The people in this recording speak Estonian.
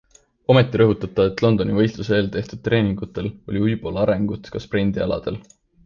Ometi rõhutab ta, et Londoni võistluse eel tehtud treeningutel oli Uibol arengut ka sprindialadel.